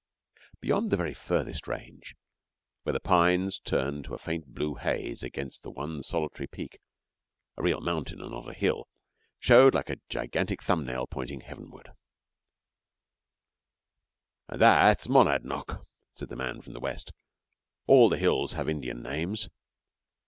Beyond the very furthest range, where the pines turn to a faint blue haze against the one solitary peak a real mountain and not a hill showed like a gigantic thumbnail pointing heavenward. 'And that's Monadnock,' said the man from the West; 'all the hills have Indian names.